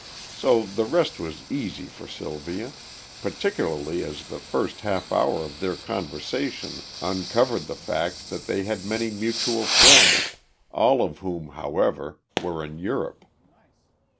So the rest was easy for Sylvia, particularly as the first half hour of their conversation uncovered the fact that they had many mutual friends, all of whom, however, were in Europe.